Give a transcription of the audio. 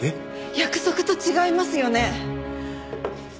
約束と違いますよね！？